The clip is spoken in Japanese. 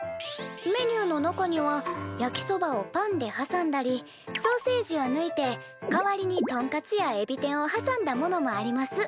メニューの中には焼きそばをパンではさんだりソーセージをぬいて代わりにトンカツやエビ天をはさんだものもあります」